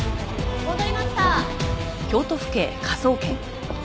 戻りました。